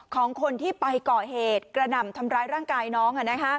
ของคนที่ไปก่อเหตุกระหน่ำทำร้ายร่างกายน้อง